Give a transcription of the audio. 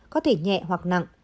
có thể nhẹ hoặc nặng